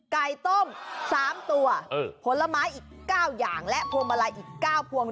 ไก่ต้ม๓ตัวผลไม้อีก๙อย่างและพวงมาลัยอีก๙พวง